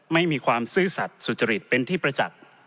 ไม่มีความซื่อสัตว์สุจริตเป็นที่ประจักษ์